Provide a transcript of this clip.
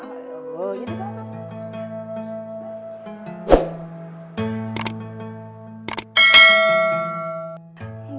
aloh ini dong